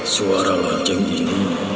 suara wajah ini